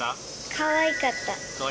かわいかった？